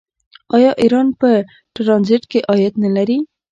آیا ایران په ټرانزیټ کې عاید نلري؟